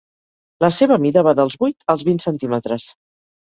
La seva mida va dels vuit als vint centímetres.